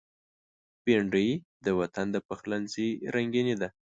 بېنډۍ د وطن د پخلنځي رنگیني ده